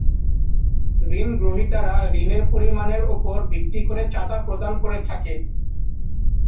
ঋণ গ্রহীতারা ঋণের পরিমাণের ওপর ভিত্তি করে চাঁদা প্রদান করে থাকে।